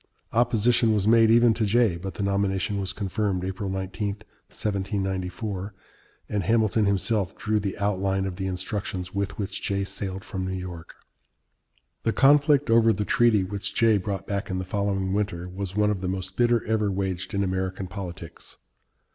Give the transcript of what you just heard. Opposition was made even to Jay, but the nomination was confirmed (April 19, 1794), and Hamilton himself drew the outline of the instructions with which Jay sailed from New York. The conflict over the treaty which Jay brought back in the following winter was one of the most bitter ever waged in American politics.